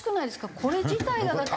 これ自体がだって。